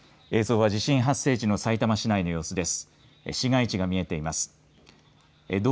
映像は地震発生時のさいたま市内の様子です。